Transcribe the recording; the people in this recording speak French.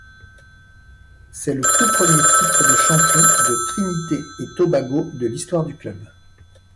C’est le tout premier titre de champion de Trinité-et-Tobago de l'histoire du club.